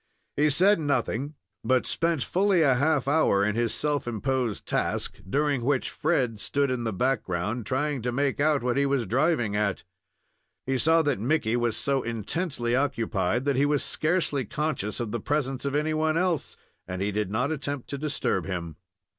He said nothing, but spent fully a half hour in his self imposed task, during which Fred stood in the background, trying to make out what he was driving at. He saw that Mickey was so intently occupied that he was scarcely conscious of the presence of any one else, and he did not attempt to disturb him.